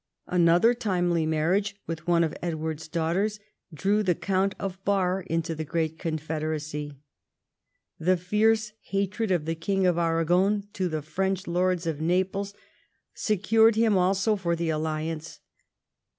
Another timely marriage with one of Edward's daughters drew the Count of Bar into the great confederacy. The fierce hatred of the king of Aragon to the French lords of Naples secured him also for the alliance.